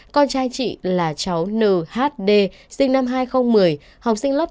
con trai chị là cháu nhd sinh năm hai nghìn một mươi học sinh lớp chín